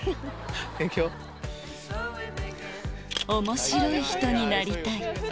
「面白い人になりたい」